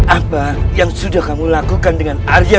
apa yang sudah kamu lakukan dengan arya